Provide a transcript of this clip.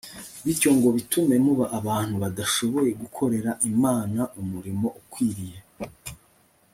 bityo ngo bitume muba abantu badashoboye gukorera imana umurimo ukwiriye